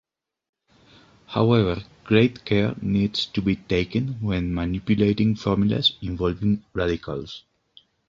However, great care needs to be taken when manipulating formulas involving radicals.